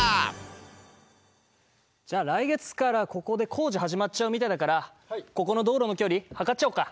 じゃあ来月からここで工事始まっちゃうみたいだからここの道路の距離測っちゃおっか。